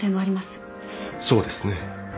そうですね。